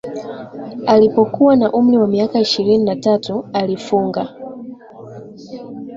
Alipokuwa na umri wa miaka ishirini na tatu alifunga